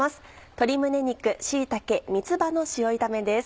「鶏胸肉椎茸三つ葉の塩炒め」です。